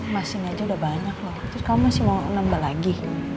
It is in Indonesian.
mesin aja udah banyak waktu terus kamu masih mau nambah lagi